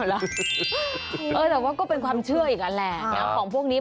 เอาล่ะเออแต่ว่าก็เป็นความเชื่ออีกนั่นแหละของพวกนี้